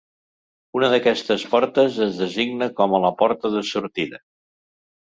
Una d'aquestes portes es designa com la porta de sortida.